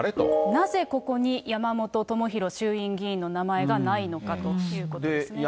なぜ、ここに山本朋広衆院議員の名前がないのかということですね。